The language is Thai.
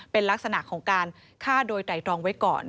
เป็นลักษณะของการฆ่าโดยไตรรองไว้ก่อน